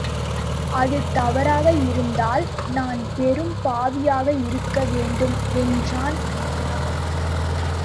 அது தவறாக இருந்தால், நான் பெரும் பாவியாக இருக்க வேண்டும்! என்றான் உமார்.